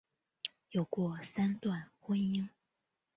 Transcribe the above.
有过三段婚姻。